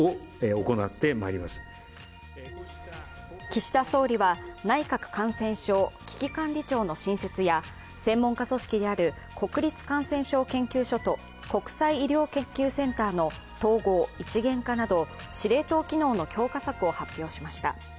岸田総理は内閣感染症危機管理庁の新設や専門家組織である国立感染症研究所と国際医療研究センターの統合・一元化など司令塔機能の強化策を発表しました。